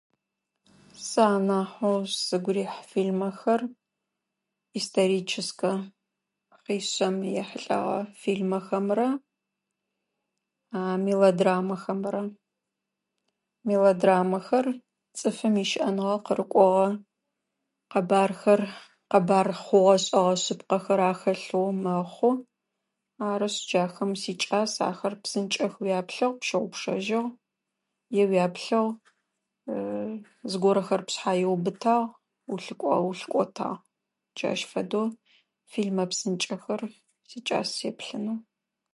Сэ анахьэу сыгу рихьырэ фильмэхэр историческэм ехьылӏагъэ фильмэхэмрэ мелодрамэхэмрэ. Мелодрамэхэр цӏыфым ишӏэныгъэ къырыкӏугъэ къэбэрхэр, къабэр хъугъо-шӏыгъэ шъыпкъэхэр ахэлъэу мэхъу. Арышъ дахэм сикӏас. Ахэр псынкӏэу уяплъыгъ, пщыгъупщэжьыгъ е уяплъыгъ, зыгорэхэр пшъхьэ ыубытагъ, улъыкӏотагъ. Джащ фэдэу фильмэ псынкӏэхэр сикӏас сэплъынэу.